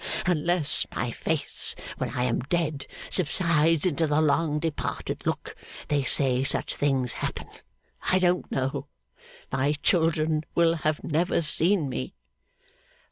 Unless my face, when I am dead, subsides into the long departed look they say such things happen, I don't know my children will have never seen me.